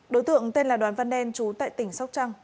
đối tượng tên là đoàn văn đen trú tại tỉnh sóc trăng